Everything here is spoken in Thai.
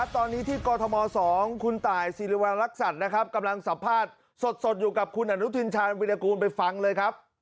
ตอนนี้ที่กรทม๒คุณตายศิริวัณรักษัตริย์นะครับกำลังสัมภาษณ์สดอยู่กับคุณอนุทินชาญวิรากูลไปฟังเลยครับ